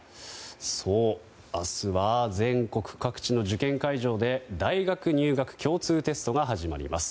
そう、明日は全国各地の受験会場で大学入学共通テストが始まります。